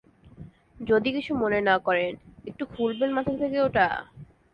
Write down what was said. যদি কিছু মনে না করেন, একটু খুলবেন মাথা থেকে ওটা?